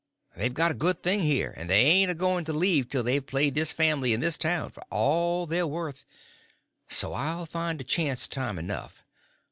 They've got a good thing here, and they ain't a going to leave till they've played this family and this town for all they're worth, so I'll find a chance time enough.